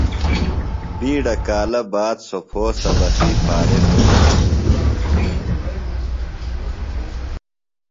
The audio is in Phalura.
بِیڈہ کالہ باد سوۡ پھو سبقی فارغ بِھلوۡ۔